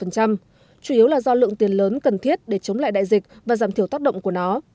chủ yếu là do lượng tiền lớn cần thiết để chống lại đại dịch và giảm thiểu tác động của nó